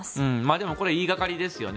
でもこれ言いがかりですよね。